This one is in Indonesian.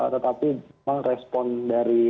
tetapi memang respon dari